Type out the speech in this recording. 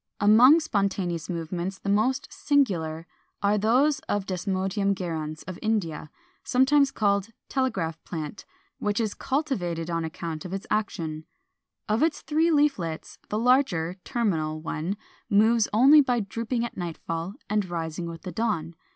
] 474. Among spontaneous movements the most singular are those of Desmodium gyrans of India, sometimes called Telegraph plant, which is cultivated on account of this action. Of its three leaflets, the larger (terminal) one moves only by drooping at nightfall and rising with the dawn.